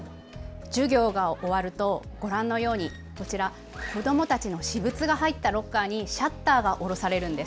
授業が終わると、ご覧のように子どもたちの私物が入ったロッカーにシャッターが下ろされるんです。